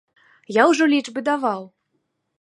Я ўжо лічбы даваў.